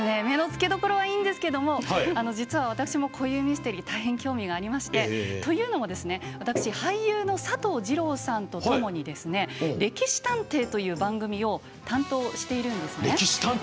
目の付けどころはいいんですけど実は私もこういうミステリー大変、興味がありましてというのも、私俳優の佐藤二朗さんとともに「歴史探偵」という番組を担当しているんですね。